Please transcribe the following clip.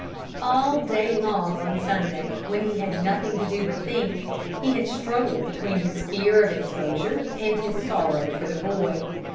All day long on Sunday, when he had nothing to do but think, he had struggled between his fear of exposure and his sorrow for the boy.